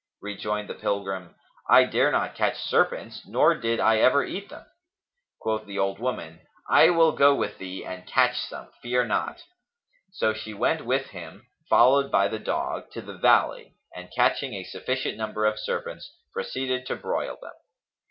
Rejoined the pilgrim, "I dare not catch serpents nor did I ever eat them." Quoth the old woman, "I will go with thee and catch some; fear not." So she went with him, followed by the dog, to the valley and, catching a sufficient number of serpents, proceeded to broil them.